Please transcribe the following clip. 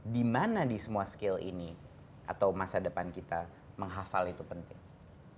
di mana di semua skill ini atau masa depan kita menghafal itu penting